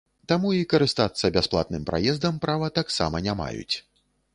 Таму і карыстацца бясплатным праездам права таксама не маюць.